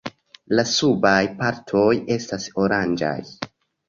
La subaj partoj estas oranĝaj.